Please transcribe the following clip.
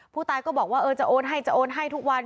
ผู้ตายก็บอกว่าเออจะโอนให้จะโอนให้ทุกวัน